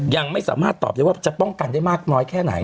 ยังไม่สามารถตอบได้ว่าจะป้องกันได้มากน้อยแค่ไหน